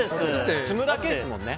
積むだけですもんね。